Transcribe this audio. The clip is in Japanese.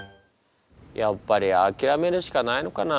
やっぱり諦めるしかないのかな。